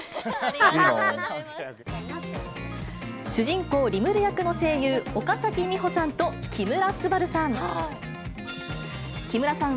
主人公、リムル役の声優、岡咲美保さんと木村昴さん。